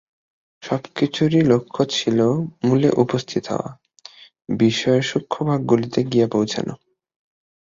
সব-কিছুরই লক্ষ্য ছিল মূলে উপস্থিত হওয়া, বিষয়ের সূক্ষ্মভাগগুলিতে গিয়া পৌঁছানো।